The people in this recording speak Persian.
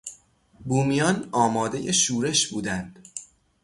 بومیان آمادهی شورش بودند.